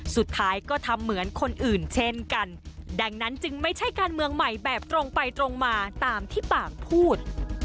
สุดท้ายก็ทำเหมือนคนอื่นเช่นกันดังนั้นจึงไม่ใช่การเมืองใหม่แบบตรงไปตรงมาตามที่ปากพูด